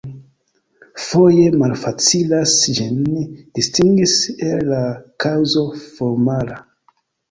Foje malfacilas ĝin distingis el la kaŭzo formala.